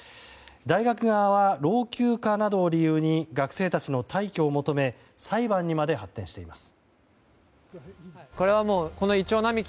大学側は、老朽化などを理由に学生たちの退去を求め裁判にまで発展しています。